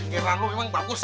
jenggara lu emang bagus